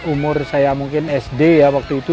umur saya mungkin sd ya waktu itu